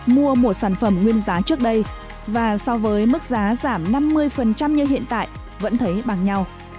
mua một sản phẩm nguyên giá trước đây và so với mức giá giảm năm mươi như hiện tại vẫn thấy bằng nhau